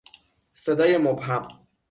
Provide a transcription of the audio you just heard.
صدای مبهم